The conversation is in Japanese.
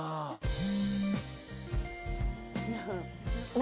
何？